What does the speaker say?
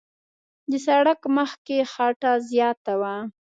د سړک مخ کې خټه زیاته وه.